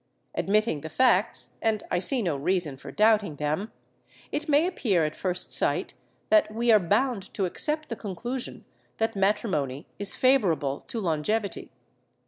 Admitting the facts—and I see no reason for doubting them—it may appear at first sight that we are bound to accept the conclusion that matrimony is favourable to longevity.